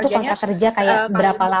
itu kontrak kerja kayak berapa lama